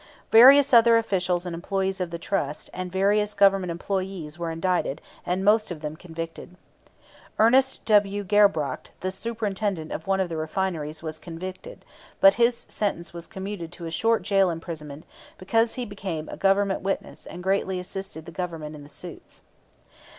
Various other officials and employees of the Trust, and various Government employees, were indicted, and most of them convicted. Ernest W. Gerbracht, the superintendent of one of the refineries, was convicted, but his sentence was commuted to a short jail imprisonment, because he became a Government witness and greatly assisted the Government in the suits.